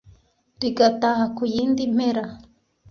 rigataha ku yindi mpera